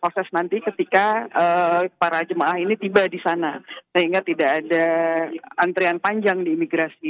proses nanti ketika para jemaah ini tiba di sana sehingga tidak ada antrian panjang di imigrasi